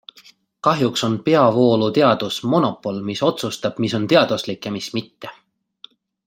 Kahjuks on peavooluteadus monopol, mis otsustab, mis on teaduslik ja mis mitte.